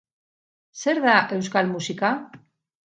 Zer da euskal musika?